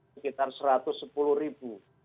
sekitar rp satu ratus sepuluh